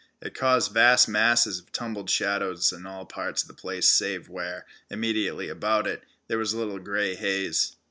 It caused vast masses of tumbled shadows in all parts of the place, save where, immediately about it, there was a little grey haze.